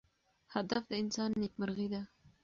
هدف د انسان نیکمرغي ده.